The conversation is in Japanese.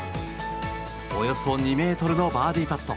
およそ２ｍのバーディーパット。